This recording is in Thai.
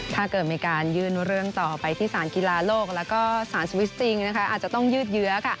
ถ้าเกิดเหมือนการยื่นเรื่องต่อไปสารกีฬาโลกและสารสวิสติงอาจจะต้องยึดเยื้อ